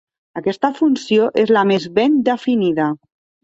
Aquesta funció és la més ben definida.